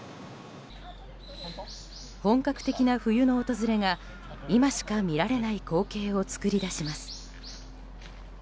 本格的な冬の訪れが、今しか見られない光景を作り出します。